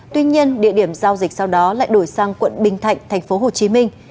tuy nhiên địa điểm giao dịch sau đó lại đổi sang quận bình thạnh thành phố hồ chí minh